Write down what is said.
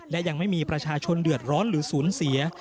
และยังไม่มีประชาชนเดือดร้อนหรือศูนย์เสีย